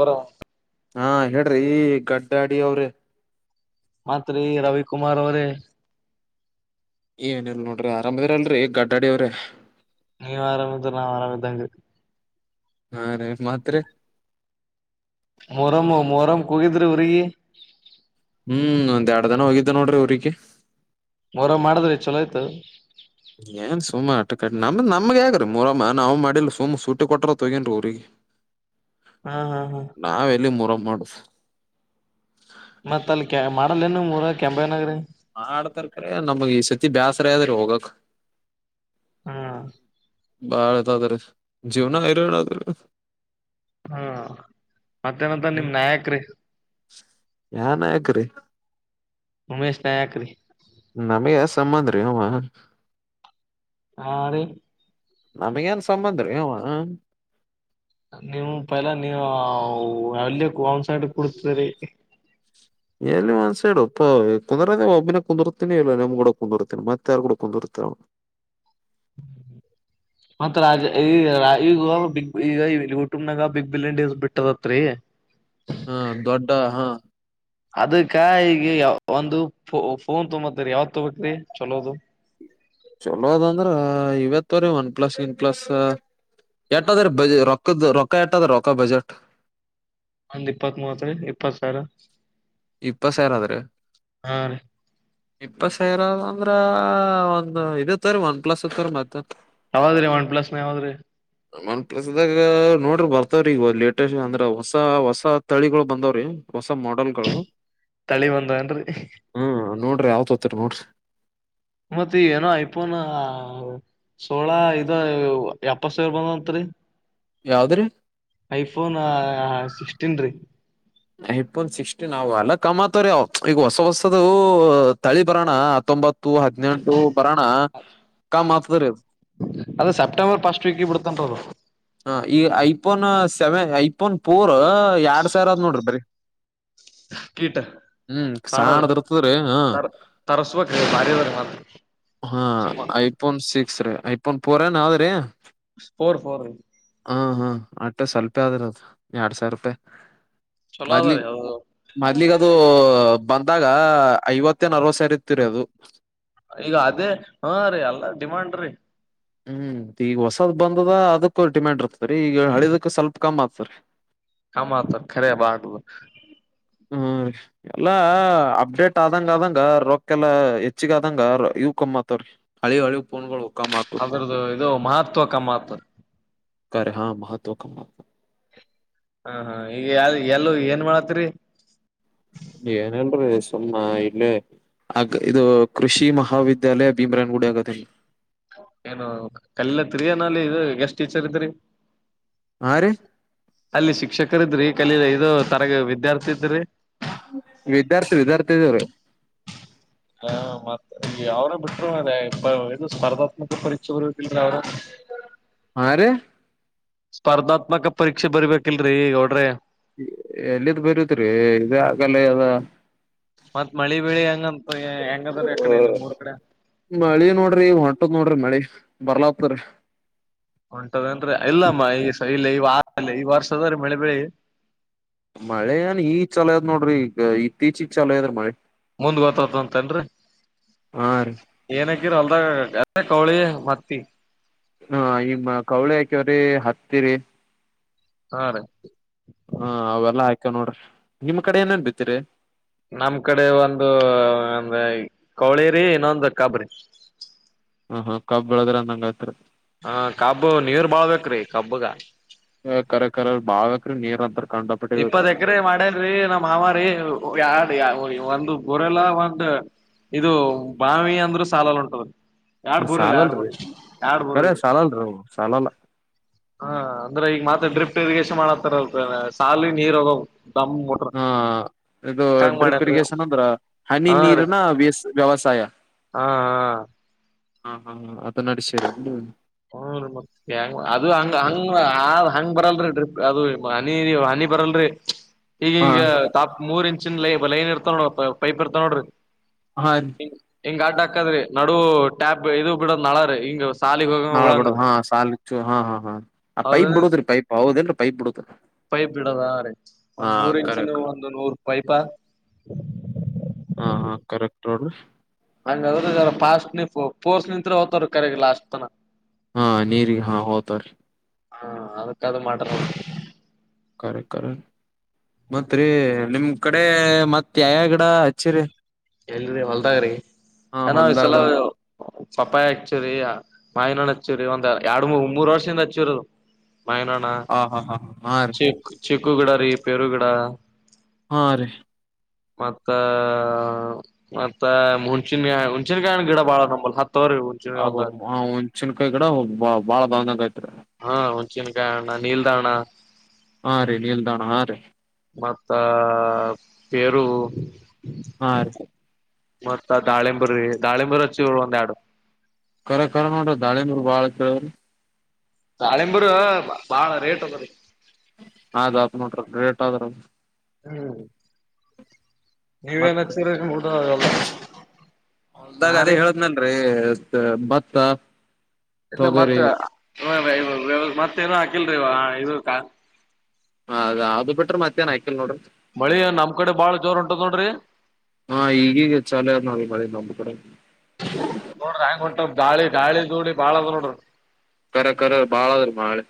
ಅವರ ಹಾ ಹೇಳ್ರಿ ಈ ಗಡ್ಡ ಅಡಿ ಅವ್ರಿ ಮಾತ್ರಿ ರವಿಕುಮಾರ್ ಅವರೇ ಏನ ಇಲ್ ನೋಡ್ರಿ ಆರಾಮದ್ರ ಅಲ್ರರಿ ಈಗ ಗಡ್ಡಾಡಿ ಅವ್ರಿ ನೀ ಆರಾಮಿದ್ರ ನಾ ಆರಾಮದಂಗ ಹಾ ರೀ ಮಾತ್ರ ಮರಮ್ಮ ಮೋರಮ್ಮ್ ಕೋಗಿದ್ರಿ ್ರಗಿ ಹ್ಮ್ ಒಂದ್ ಎರಡ್ ದನ ಹೋಗಿದ್ದ ನೋಡ್ರಿ ಊರಿಗೆ ಹೊರ ಮಾಡಿದ್ರೆ ಚಲೋ ಆಯ್ತು ಏನ್ ಸುಮ ಆಟ ಕಟ್ಟ ನಮ್ದ ನಮ್ಗೆ ಯಗ್ರೀ ಮೂರಮ್ಮ ನಾವು ಮಾಡಿಲ್ ಸುಮ್ ಸೂಟಿ ಕೊಟ್ರ ತೊಗೇನ್ರಿ ಊಿಗೆ ಹ್ಮ್ ಹ್ಮ್ ಹ್ಮ್ ಮಾಡಸ ಮತ್ತತ್ ಅಲ್ಲಿ ಕೆ ಮಾಡಲ್ಲೇ ನೀ ಊರ ಕೆಂಪೇನಗರಿ ಹಾ ಆಡ್ತರ್ ಕ್ರ ನಮಗ್ ಈ ಸತಿ ಬ್ಯಾಸರ ಆದದ್ರೆ ಹೋಗಕ್ ಹಾ ಬಾಳತದಾರೆ ಜೀವನ ಹಐರದ ಹಾ ಮತ್ತೇನಂತ ನಿಮ್ ನಾಯಕ್ರೀ ಯನ್ ಹಯಕ್ರಿ ಉಮೇಶ್ ನಾಯಕರಿ ನಮಗೆ ಯ ಸಂಬಂಧ ರೀ ಅವವಾ ಹಾ ರೀ ನಮ್ಗ ಏನ್ ಸಂಬಂಧ ರೀ ಅವ ನೀವು ಪೈಲ ನೀ ಎಲ್ಲಿಯ ಒಂದ್ ಸೈಡ್ ಕುಡ್ತರಿ ಎಲ್ಲಿ ಒಂದಸೇಡ ಕುಂದರ ಒಬ್ಬಿನ ಕುಂದಿರ್ತೀನಿ ಇಲ್ಲ ನಿಮ್ಗೂಡ ಕುಂದಿರ್ತೀನಿ ಮತ್ತೆ ಯಾರ್ ಕೂಡ ಕುಿರ್ತ ಮತ್ ರಾಜ ಈ ಈಗ ಬಿಗ್ ಈಗ ಕುಟುಂಬ್ನಾಗ ಬಿಗ್ ಬಿಲ್ ಬಿಟ್ಟದತ್ರಿ ಹ ಹಾ ದೊಡ್ಡ ಹಾ ಅದಕ್ಕ ಈಗ ಒಂದು ಫೋನ್ ತೊಂಬತ್ತರಿ ಯಾವತ್ ತೊಗಕ್ರಿ ಚಲೋದು ಹ್ಮ ಚಲೋ ಅದಂದ್ರ ಇವತ್ತವ್ರೀ ಒನ್ ಪ್ಲಸ್ ಇನ್ ಪ್ಲಸ್ ಎಟ್ಟದ ಬ ರೊ ರ ರೊಕ್ಕ ಎಟದ ರೊಕ್ಕ ಬಜೆಟ್ ಒಂದ್ ಇಪ್ಪತ್ ಮೂವತ್ರಿ ಇಪ್ಪತ್ ಸಾವಿರ ಇಪ್ಪ ಸೇರ ಅದ್ರ ಹಾ ರೀ ಇಪ್ಪತ್ ಸಾವಿರ ಅಂದ್ರ ಒಂದು್ ಇತ್ತರಿೀ ಒನ್ ಪ್ಲಸ್ ಇತ್ತರಿ ಮತ್ತ ಯಾವದ್ರೀ ಒನ್ ಪ್ಲಸ್ ನ ಯಾವದ್ರಿ ಒಂದ ಪ್ಲಸದಾಗ ನೋಡ್ರಿ ಬರ್ತವ್ರಿಗ ಲೇಟೆಸ್ ಅಂದ್ರ ಹೊಸ ಹೊಸ ತಳಿಗಳು ಬಂದವ್ರೀ ಹೊಸ ಮೋಲ್ ಗಳು ತಳಿ ಬಂದಏನ್ೀ ಹಾ ನೋಡ್ರಿ ಯಾವತ್ ಹೋತರಿ ನೋಡ್ರಿ ಮತ್ತೆ ಏನೋ ಐಫೋನ. ಅಲ್ಲ ಇದ ಎಪ್ಪತ್ ಸೇರ್ ಬಂದಂತ್ರಿ. ಯಾವ್ದ್ರಿ ಐಫೋನ್ ಸಿಕ್ಸ್ಟೀನ್ ರೀ. ಐಫೋನ್ ಸಿಕ್ಸ್ಟೀನ್ ಅವ ಅಲ್ಲ ಕಮತರೀ ಅವ ಈಗ ಹೊಸ ಹೊಸದು ತಳಿ ಬರೋಣ ಅ [unintelligible] ತ್ತೊಂಬತ್ತು ಹದ್ನೆಂಟು ಬರೋಣ. ಕಮ್ ಆತದ್ರೀ ಅದು ಸೆಪ್ಟೆಂಬರ್ ಫಸ್ಟ್ ವೀಕ್ಗೆ ಬಿಡತನ್ ಅವರು. ಈಗ ಐಫೋನ್ ಸೆವೆನ್ ಐಫೋನ್ ಫೋರ್ ಎರಡ್ ಸಾವಿರ ಆದ್ ನೋಡ್ರಿ ಬರಿ. ಕೀಟ. ಸಾಣದು ಸಾಣದ ಇರ್ತದ್ರಿ ಹ ತರ ತರಸ್ಬೇಕ್ ಬಾರಿ ಅದ ಮಾತ್ರ. ಹಾ ಐಫೋನ್ ಸಿಕ್ಸ್ ರೀ ಐಫೋನ್ ಫೋರ್ ಎನ್ ಹೌದ್ರೀ. Four four. ಹಾ ಹಾ ಅಟೆ ಸ್ವಲ್ಪೇ ಆದಿರದು ಎರಡ್ ಸಾವಿರ ರೂಪಾಯಿ. ಚಲೋ ಅದ ರೀ ಮೊದ್ಲಿಗೆ ಅದು ಮೊದ್ಲಿಗದು ಬಂದಾಗ ಐವತ್ತು. [unintelligible] ಮ ಸವ್ರ ಇರ್ತೀರಿ ಅದು. ಈಗ ಅದೇ ಹಾ ರೀ ಎಲ್ಲ ಡಿಮಾಂಡ್ ರೀ. ಹ್ಮ್ ಈಗ ಹೊಸದ್ ಬಂದದ ಅದಕ್ಕ ಡಿಮ್ಯಾಂಡ್ ಇರ್ತದರಿ ಈಗ ಹಳಿದಕ್ಕ ಸ್ವಲ್ಪ ಕಮ್ ಆತರಿ. ಕಮ್ ಆತು ಖರೆ ಬಾಡು. ಹ್ಮ್ ಎಲ್ಲ ಅಪ್ಡೇಟ್ ಆದಂಗ ಆದಂಗ ರೊಕೆಲ್ಲ ಹೆಚ್ಚಿಗ ಆದಂಗ ಇ [unintelligible] ತ್ರರಿ ಹಳಿ ಹಳಿ ಪೋನ್ಗಳು. ಅದ್ರದ್ದು ಇದು ಮಹತ್ವ ಕಮಾತ್. ಕ ಹಾ ಮಹತ್ವ ಕಮಾತ. ಹಾ ಹಾ ಈಗ ಯಲ್ ಯಲ್ಲು ಏನ್ ಮಾಡಕತಿರೀ. ಏನ್ ಇಲ್ರೀ ಸುಮ್ನ ಇಲ್ಲೇ. ಆ ಇದು ಕೃಷಿ ಮಹಾವಿದ್ಯಾಲಯ ಭೀಮ್ರನ್ ಗುಡಿ ಆಗದಲ್ಲ. ಏನು ಕಲ್ಯತ್ರಿಯ ನಲ್ಲಿ ಇದು ಗೆಸ್ಟ್ ಟೀಚರ್ ಇದ್ರರಿ. ಹಾ ರೀ ಅಲ್ಲಿ ಶಿಕ್ಷಕರ ಇದ್ರಿ ಕಲ ಈದು ತರಗ ವಿದ್ಯಾರ್ಥಿ ಇದ್ರಿ. ವಿದ್ಯಾರ್ಥಿ ವಿದ್ಯಾರ್ಥಿ ಇದರು. ಹ ಮತ್ತ ಅವ್ರ ಬಿಟ್ಟರು ಅದೇ ಇದು ಸ್ಪರ್ಧಾತ್ಮಕ ಪರೀಕ್ಷೆ ಬರತ್ತಲ್ರ ಅವರು. ಹಾ ರೀ. ಸ್ಪರ್ಧಾತ್ಮಕ ಪರೀಕ್ಷೆ ಬರ್ಬೇಕಿಲ್ರೀ ಗೌಡ್ರೇ. ಎಲ್ಲಿದ್ದ್ ಬರೊದ್ರಿ ಇದೇ ಆಗಲ್ಲ ಅಗದ. ಮತ್ತ್ ಮಳಿ ಬೆಳಿ ಹೆಂಗಂತ ಹೆಂಗದ್ರ ಯಕಡೆ ನಿಮ್ ಊರ್ ಕಡೆ. ಮಳಿ ನೋಡ್ರಿ ಹೊಂಟದ್ ನೋಡ್ರಿ ಮಳಿ ಬರ್ಲತರಿ. ಉಂಟದನ ರೀ ಇಲ್ಲ ಈ ಇಲ್ಲ ಈ ವಾರ ಈ ವರ್ಷದ್ರೀ ಮಳೆ ಬೆಳಿ. ಮಳೆ ಏನ್ ಈ ಚಲ ಅದ್ ನೋಡ್ರಿ ಈಗ ಇತ್ತೀಚಿ ಚಲ ಅದ್ರೀ ಮಳೆ. ಮುಂದ್ ಗೊತ್ತತ ಅಂತನ್ರಿ ಹಾ ರೀ ಏನ್ [unintelligible] ಅಲ್ದ ಕೌಳಿ ಮತ್ತಿ. ಹಾ ಈಮ್ಮ ಕೌಳಿ ಹಾಕ್ಯವ್ರಿ ಹತ್ತಿರಿ. ಹಾ ರೀ. ಹಾ ಅವೆಲ್ಲಾ ಹಾಕವ ನೋಡ್ರಿ ನಿಮ್ ಕಡೆ ಏನೇನ್ ಬಿತ್ತೀರಿ. ನಮ್ ಕಡೆ ಒಂದು ಒಂದು ಕವಳೀರಿ ಇನ್ನೊಂದು ಕಾಬ್ಬ್ ರೀ. ಹ ಹ ಕಬ್ಬ ಬೆಳದ್ರ ಅಂದಂಗ ಆತ್ರಿ. ಕಬ್ಬುಗಾ. ಕರೆ ಕರ ಬಾಳ್ ಬೇಕ್ ರೀ ನೀರ್ ಅಂದ್ರೇ. ಇಪ್ಪತ್ ಎಕ್ರ ಮಾಡನ್ ರೀ ನಮ್ಮ್ ಮಾಮಾರಿ ಯ ಯ ಒಂದು ಗೊರೆಲ್ಲ ಒಂದ ಇದು ಬಾವಿ ಅಂದ್ರ ಸಾಲಲ್ಲ ಹೊಂಟದ. ಎರಡ್ ಬೋರ್ಲ್ಲ ಎರಡ್ ಬೋರ್ ಸಾಲಲ್ರಿ ಎರಡ್ ಕರೆ ಬೋರ್ಲ್ರಿ. ಸಾಲಲ್ರಿ ಅವು ಸಾಲಲ್ಲ ಹಾ ಅಂದ್ರೆ ಈಗ ಮತ್ತೆ ಡ್ರಿಪ್ಟ್ ಇರಿಗೇಶನ್ ಮಾಡತಾರಲ್ ಸಾಲಿ ನೀರ್ ಹೋಗ ಹ ಇದು ಹಂಗ್ ಡ್ರಿಪ್ ಮಾಡ್ಯನ್ರಿ ಇರಿಗೇಶನ್ ಅಂದ್ರ ಹನಿ ಹಾ ರೀ ನೀರನ ವೇಸ್ ವ್ಯವಸಾಯ. ಹಾ ಹಾ. ಹಾ ಹಾ ಹ ಅದು ನಡಸೀರ ನೀ. ಹ ಮತ್ತ ಅದು ಹಂಗ ಹಂಗ ಆದ್ ಹಂಗ್ ಬರಲ್ರಿ ಡ್ರಿಪ್ ಅದು ಹನಿ. ಬರಲ್ರಿ ಹ ಈಗಗ ತಾ ಮೂರ್ ಇಂಚೈ ಲೈನ್ ಇರ್ತ ನೋಡ ಪೈಪ್ ಇರ್ತ ನೋಡ್ರಿ. ಹಾ ಹ ಹಿಂಗ ಅಡ್ ಹಾಕದ್ರಿ ನಡು ಟ್ಯಾಪ್ ಇದು ಬಿಡದ ನಳರಿ ಹಿಂಗ ಸಾಲಿಗ. ನಾಳ ಬಿಡದ ಹಾ ಸಾಲಚ್ಚು ಹಾ ಹಾ ಹಾ ಆ ಪೈಪ್ ಹೌದ ಬಿಡುದ ರಿ ಪೈಪ್ ಹೌದಲ್ರರಿ ಪೈಪ್ ಬಿಡುದ ರಿ. ಪೈಪ್ ಬಿಡೋದ ರೀ ಒಂದ್ ಮೂರ್ ಇಂಚಿನ ಕರೆಕ್ಟ್ ಒಂದ ನೂರ್ ಪೈಪ. ಹಾ ಹಾ ಕರೆಕ್ಟ್ ರಡ್ರ. ಹಂಗದ ಫಾಸ್ಟ್ ನೀಫೋರ್ಸ್ ನಿತ್ ಹತಾರ ಕರೆಗೆ ಲಾಸ್ಟ್ ತನ. ಹಾ ನೀರಿ ಹಾ ಹೋಗತ್ರರಿ. ಹಾ ಅದಕ್ಕಾದ ಮಾಡಟ. ಕರೆ ಕರೆ ಮತ್ರಿ ನಿಮ್ ಕಡೆ ಮತ್ತ ಯಾವ ಗಿಡ ಹಚ್ಚಿರಿ. ಎಲ್ರಿ ಹೊಲ್ದಾಗ್ರಿ ಹಾ ಏನೋ ಈ ಹೊಲ್ದಾಗ ಸಲ ಪಪಾಯ ಹಚ್ಚುರಿ. ಮಾಯಿನ ಹಣ್ಣ ಹಚ್ಚೂರಿ ಒಂದ್ ಎರಡು ಮೂ ಮೂರು ವರ್ಷದಿಂದ ಹಚ್ಚೂರುದು. ಮಾವಿನ ಹಣ್ಣ ಹ ಹಾ ಹಾ ಹಾ ರೀ ಚಿ ಚಿಕ್ಕು ಗಿಡ ರೀ ಪೇರುಗಿಡ. ಹಾ ರೀ. ಮತ್ತ ಮತ್ತ ಹುಣಚನ್ಗಿ ಹುಣಚನ್ಗಾಯಿ ಗಿಡ ಬಾಳ ನಲ್ ಹತ್ತ ಹಬ ಒಂದ್ ಚಿನ್ ಕಾಯಿ ಕಡೋಗ ಬಾಳ ಬಂಗ ಆಐತ್ರಿ. ಹಾ ಹಂಚಿನಕಾಯ ಅಣ್ಣ ನೀಲ್ದ ಅಣ್ಣ. ಹಾ ರೀ ನಿಲ್ದ ಹಣ್ಣ ಹಾ ರೀ. ಮತ್ತ ಪೇರು. ಹಾ ರೀ. ಮತ್ತತ್ ದಾಳಿಂಬರಿ ದಾಳಿಂಬರು ಹಚ್ಚಿರು ಒಂದ ಎರಡ. ಕರ ಕರ ನೋಡ್ರ ದಾಳಿ ನೂರು ಬಾಳ್ಕ. ದಾಳಿಂಬರ ಬಾಳ ರೇಟ್ ಅದ ರೀ. [unintelligible] ಹ್ಮ. ನೀವೇನ ಮತ್ ಹತ್ತೀರ ಮೂಟ ಆಲ್ಲ ನಾರಿ. ತ್ತ ಭತ್ತ. ಇಲ್ಲ ತೊಗರಿ ಮತ್ತೆ ಮತ್ತೇನು ಹಾಕಿಲ್ರಿೀ ಇದಕ. ಹದ ಅದು ಬಿಟ್ರ ಮತ್ತೇನ್ ಹಾಕ್ ಮಳಿ ಏನ ನಮ ಕಡೆ ಬಾಳ ಜೋರ್ ಹೊಂಟದ ನೋಡ್ರಿ. ಹಾ ಈಗೀಗ ಚಾಲೋ ಐತಿ ನೋಡ್ರಿ ನಮ್ ಕಡೆ. ನೋಡ್ರಿ ಹ್ಯಾಂಗ್ ಹೊಂಟದ್ ಗಾಳಿ ಗಾಳಿ ದುಡಿ ಬಾಳ ಅದ ನೋಡ್ರಿ. ಕರ ಕರ ಬಾಳದ್ರರು ಬಾಳೆ.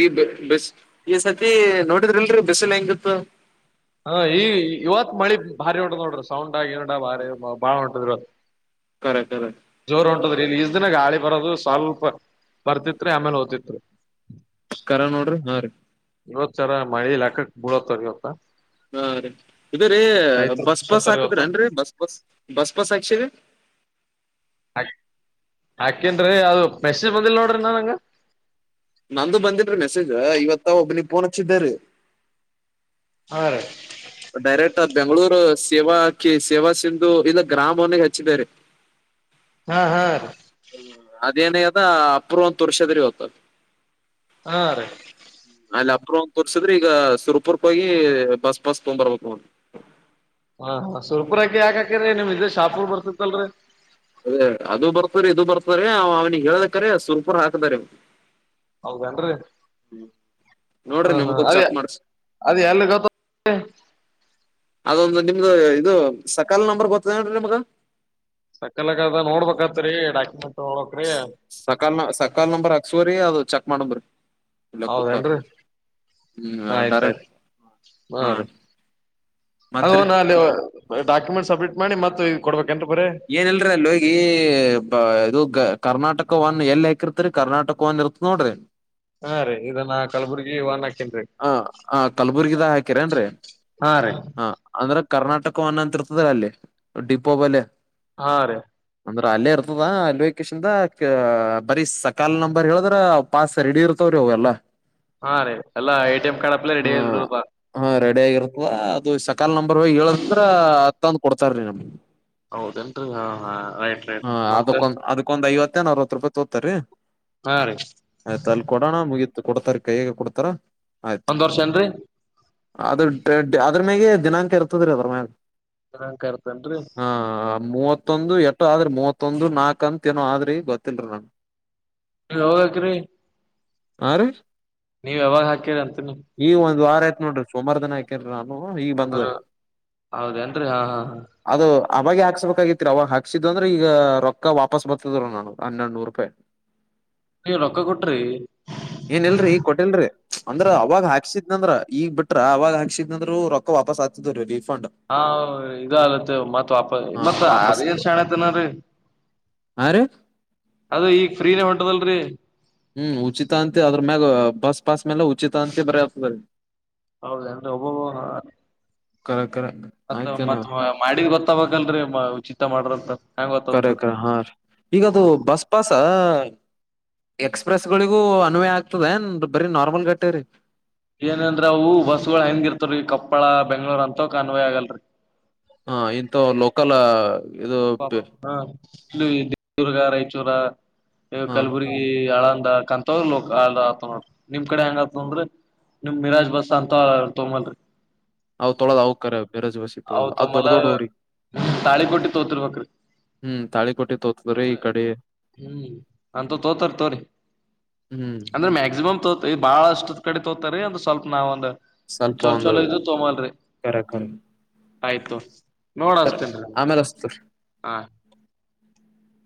ಈ ಬಸ್ ಈ ಸತಿ ನೋಡಿದ್ರಿಲ್ರರಿ ಬಿಸ್ಲ್ ಹೆಂಗಿತ್ತ. ಹಾ ಈ ಇವತ್ ಮಳಿ ಭಾರಿ ಹೊಂಟದ್ ನೋಡ್ರಿ ಸೌಂಡ ಏನಡ ಭಾರಿ ಬಾಳ ಹೊಂಟದ್ ಇವತ್. ಕರೆ ಕರೆ. ಜೋರ್ ಹೊಂಟದ್ರಿ ಇಲ್ಲಿ ಇಷ್ಟ್ ದಿನ ಗಾಳಿ ಬರೋದು ಸ್ವಲ್ಪ ಬರ್ತಿತ್ರಿ ಆಮೇಲೆ ಹೊತ್ತಿತ್ರಿ. ಕರೆ ನೋಡ್ರಿ ಹಾ ರಿ. ಇತ್ಸರ ಮಳಿ ಹಾಕಕ್ ಮೂಳತ್ ಇವತ್ತ. ಹಾ ರೀ ಇದರಿೀ ರೈತರು ಬಸ್ ಪಾಸ್ ಖುಷತ್ತಾರ ಇವತ್ತ ಹಾಕದ್ರನ್ರಿ ಬಸ್ ಪಾಸ್ ಬಸ್ ಪಾಸ್ ಹಾಕ್ಸಿರಿ. [inaudible] ಹಾಕ್ ಹಾಕಿನ್ರಿ ಅದು ಮೆಸೇಜ್ ಬಂದಿಲ್ಲ ನೋಡ್ರಿ ನಂಗ. ನಂದು ಬಂದಿಲ್ರಿ ಮೆಸೇಜ್ ಇವತ್ತ ಒಬ್ಬಲಿ ಫೋನ್ ಹಚ್ಚಿದ್ದರಿ. ಹಾ ರೀ ಡೈರೆಕ್ಟ್ ಬೆಂಗಳೂರು. ಸೇವಾ ಕಿ ಸೇವಾ ಸಿಂಧು ಇಲ್ಲ ಗ್ರಾಮವನ್ನಿಗೆ ಹಚ್ಚಿದ್ದ ರಿ. ಹಾ ಹಾ ರೀ ಅದೇನ್ಯದ ಅಪರ್ವಂತ ತೋರ್ಷದ ಇವತ್ತ್. ಹಾ ರೀ. ಅಲ್ಲಿ ಅಪ್ರೂವ್ ತೋರ್ಸಿದ್ರೆ ಈಗ ಸುರ್ಪುರ್ಕ ಹೋಗಿ ಬಸ್ ಪಾಸ್ ತಗೊಂಡ್ ಬರ್ಬೇಕಕ್ ನೋಡು. ಹಾ ಹ ಸ ಸುರ್ಪುರ್ ಯಕಾಕಿರರಿ ನಿಮ್ ಇದೇ ಶಾಪುರ್ ಬರ್ತತ್ತಲ್ರರಿ. ಅದೇ ಅದು ಬರ್ತರಿ ಇದು ಬರ್ತಾರೆ ಅವನಿಗೆ ಹೇಳದಕ್ರ ಸುರ್ಪುರ್ ಹಾಕ್ತಾ ರೀ. ಹೌದೇನ್ರಿ. ಹಾ ನೋಡ್ರಿ ಹಾ ನಿಮ್ದು ಅದ ಚೆಕ್ ಮಾಡ್ಸಿ ಅದ ಎಲ್ಲಿ ಗತ್ತ. ಅದೊಂದು ನಿಮ್ದು ಇದು ಸಕಾಲ ನಂಬರ್ ಗತದನ್ರಿ ನಿಮ್ಗ. ಸಕ್ಕಲಾಗದ ನೋಡ್ಬೇಕತ್ತತ್ರಿ ಡಾಕ್ಯುಮೆಂಟ್. ನೋಡ್ಬೇಕ್ರಿ ಸಕಾಲ ನ ಸಕಾಲ ನಂಬ್ರ ಹಕ್ಸವ್ರಿ ಅದು ಚೆಕ್ ಮಾಡೋದ್ರಿ. ಎಲ್ಲ ಹೌದೇನ್ರಿ ಬುಕ್ಆತ್ರಿ. ಹ್ಮ್ ಆಯ್ತ ಡರೆಕ್ ಆಯ್ತ್ ಹಾ. ಅದು ಮತ್ರಿ ನ ಅಲ್ಲಿ ಡಾಕ್ಯುಮೆಂಟ್ ಸಬ್ಮಿಟ್ ಮಾಡಿ ಮತ್ತ ಕೊಡ್ಬೇಕು. ಏನಲ್ರ ಅಲ್ಲಿ ಹೋಗಿ ಬ ಇದುಗ. ಕರ್ನಾಟಕವನ್ ಎಲ್ ಹಾಕಿರ್ತರಿ ಕರ್ನಾಟಕವನ್ ಇರ್ತ ನೋಡ್ರಿ. ಹಾ ರೀ ಇದನ್ನ ಕಲಬುರ್ಗಿ ವನ್ ಹಾಕಿನ್ರಿ. ಹ ಹ ಕಲಬುರ್ಗಿದ ಹಾಕಿರ ಅನ್ರೀ ಹಾ ರೀ ಹ ಅಂದ್ರ ಕರ್ನಾಟಕವನ್ನ. ತೃಪ್ತರ ಅಲ್ಲೇ ಡಿಪಬಲೆ. ಹಾ ರೀ ಅಂದ್ರ ಅಲ್ಲೇ ಇರ್ತದ ಅಲ್ವೆ ಕೇಶನ್ ಬರೀ ಸಕಾಲ ನಂಬರ್ ಹೇಳಿದ್ರೆ ಪಾಸ್ ರೆಡಿ ಇರ್ತದ. ಹೋ ಅಲ್ಲ. ಹಾ ರೀ ಎಲ್ಲಾ ಎ ಟಿ ಎಂ ಕಾರ್ಡ್ ಹಪ್ಲ ರೆಡಿ ಆಯ್ತದೋ ಪ. ಆಗರತ್ತ ಅದು ಸಕಾಲ ನಂಬರ್ ಹೇಳಂದ್ರ ತಂದ್ ಕೊಡ್ತಾರ್ರೀ ನಮ್ಗೆ. ಹೌದೇನ್ರಿ ಹಾ ಹಾ ರೈಟ್ ರೈಟ್ ಮತ್ತೆ. ಮತ್ತ ಅರವತ್ತು ರೂಪಾಯಿ ತೋತಾರೀ ಹಾ ರೀ ಆಯ್ತ ಅಲ್ಲಿ ಕೊಡೋಣ ಮುಗೀತು ಕೊಡ್ತಾರ ಕೈಯಗೆ ಕೊಡ್ತಾರ. ರೈಟ್ ಒಂದ್ ವರ್ಷ ಏನ್ರರಿ ಅದುಡ್ ಅದ್ರನ್ಯಾಗ ದಿನಾಂಕ ಇರ್ತದ್ರೀ ಅದ್ರ ಮ್ಯ. ದಿನಾಂಕ ಇರ್ತಾನ್ರಿ. ಮೂವತ್ತೊಂದು ಎಟ್ಟು ಆದ್ರಿ ಮೂವತ್ತೊಂದು ನಾಕ ಅಂತ ಏನೋ ಆದ್ರಿ ಗೊತ್ತಿಲ್ರಿ ನನ್. ನೀ ಹೋಗಕ್ರರಿ. ಹಾ ರಿ ನೀವು ಯಾವಾಗ ಹಾಕಿರಿ ಅಂತೀನಿ ಈ ಒಂದ ವಾರ ಆಯ್ತ ನೋಡ್ರಿ ಸೋಮವಾರ ದನ ಆಕೇಾರಾ. ಈಗ ಅಂದ್ರ ಬಂದ್ರೀ ಹೌದೇನ್ರಿ ಹಾ ಹಾ ಹಾ ಅದು ಆ ಆವಾಗ್ಲೇ ಹಾಕ್ಸಬೇಕ. ಹಗತ್ರಿ ಅವಾಗ ಹಾಕ್ಸಿದ್ ಅಂದ್ರೆ ಈಗ ರೊಕ್ಕ ವಾಪಾಸ್ ಬರ್ತಿದ ನಾನ ಹನ್ನೆರಡುನೂರು ರೂಪಾಯಿ. ನೀವ್ ರೊಕ್ಕ ಕೊಟ್ರಿ ಏನ ಇಲ್ರಿ ಕೊಟ್ಟಿಲ್ರಿ. ಅಂದ್ರ ಅವಾಗ ಹಾಕ್ಸಿದ್ ಅಂದ್ರ ಈಗ್ ಬಿಟ್ರ ಅವಾಗ ಹಾಕ್ಸಿದ್ಂದ್ರರು ರೊಕ್ಕ ವಾಪಾಸ್ ಆಾತಿದ್್ರೀಲ್ಲಿ. ಹಾ ಇದಲತ್ತ ಮತ್ ವಾಪ ಹಾ ಮತ್ ಅದ ವಾಪಸ್ ಏನ್ ಶಣಐತನರಿ. ಹಾ ರೀ ಅದ ಈಗ ಫ್ರೀನ ಹೊಂಟದಲ್ರಿ. ಹ್ಮ್ ಉಚಿತ ಅಂತ ಅದ್ರ ಮ್ಯಾಗ ಬಸ್ ಪಾಸ್ ಮೇಲೆ ಉಚಿತ ಅಂತ ಬರಿತದೆ. ಹೌದ ಅಂದ್ರೆ ಒಬ್ಬೊಬ. ಕರೆಕ್ಟ. ಮತ್ತ ಮತ್ ಮಾಡಿದ ಗೊತ್ತಬಬೇಕ್ಲ್ರರಿ ಉಚಿಿತ ಮಾಡ್ರಂತ. ಹೆಂಗ್ ಕರೆ ಗೊತ್ತತದ ಕರೆ ಹಾ ರೀ ಈಗದು ಬಸ್ ಪಾಸ. ಎಕ್ಸ್ಪ್ರೆಸ್ ಗಳಿಗೂ ಅನ್ವಯ ಆಗ್ತದೆ ಏನ್ ಬರೀ ನಾರ್ಮಲ್ ಗಟ್ಟೆ ರೀ. ಏನಂದ್ರ ಅವು ಬಸ್ಗಳು ಹೆಂಗಿರ್ತವ್ರೀ ಕೊಪ್ಪಳ ಬೆಂಗ್ಳೂರ್ ಅಂತ ಕ ಅನ್ವಯ ಆಗಲ್ರರಿ. ಹಾ ಇಂತ ಲೋಕಲ್. ಇದು ಹ ಕೊಪ್ಪ ಹ ಇ ದರ್ಗ ರಾಯಚೂರ. ಹ ಕಲ್ಬುರಗಿ ಆಳಂದ ಕಂತ್ರ ಲ ಆ ಆತ ನೋಡ್ರಿ ನಿಮ್ ಕಡೆ ಹೆಂಗತ ಅಂದ್ರೆ. ನಿಮ ಮಿರಾಜ್ ಬಸ್ ಅಂತ ತೊಲ್ರಿ. ಅವ ತೊಳದು ಅವ ಕೆ ಬೆೇರಜ್ವಾಸ ತೊಳದು ಅ ತೊಂಬಲ ದೊಡ್ಡ ದೊಡ್ಡೋರಿ. ತಾಳಿ ಕೊಟ್ಟಿ ತೋತಿರ್ಬೇಕ್ರಿ ಹ್ಮ್ ತ ಹ್ಮ್ ಅಂತ ತೋತರ್ ತೋರಿ ಹ್ಮ್ ಅಂದ್ರೆ ಮ್ಯಾಕ್ಸಿಮಮ್ ತೋತ ಬಾಳಷ್ಟ್ ಕಡೆ ತೋತಾರಿ ಒಂದ್ ಸ್ವಲ್ಪ ನಾವ್ ಒಂದ ಸ್ವಲ್ಪ ಚಲ ಒಂದು ಚಲೋ ಇದು ತೋಮಲ್ರಿ ಕರೆ ಕರೆ ಆಯ್ತು ನೋಡಸ್ತೇನ್ ಹಾ ಹ್ಮ್